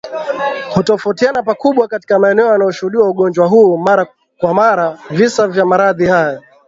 Hutofautiana pakubwa katika maeneo yanayoshuhudiwa ugonjwa huu mara kwa mara visa vya maradhi hayo